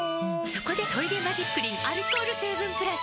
そこで「トイレマジックリン」アルコール成分プラス！